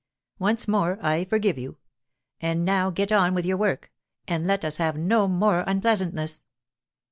Once more I forgive you. And new get on with your work, and let us have no more unpleasantness."